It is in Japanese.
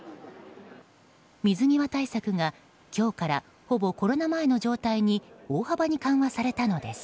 水際対策が今日からほぼコロナ前の状態に大幅に緩和されたのです。